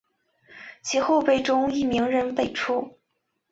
其后辈中亦名人辈出。